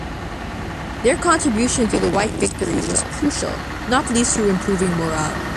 Their contribution to the White victory was crucial, not least through improving morale.